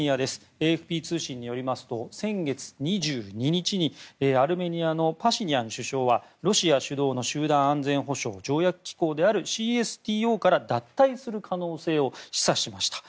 ＡＰ通信によりますと先月２２日にアルメニアのパシニャン首相はロシア主導の集団安全保障条約機構であるＣＳＴＯから脱退する可能性を示唆しました。